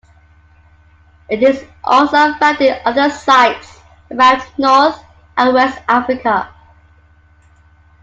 It is also found in other sites around North and West Africa.